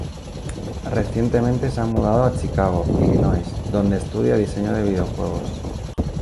Recientemente se ha mudado a Chicago, Illinois, donde estudia diseño de videojuegos.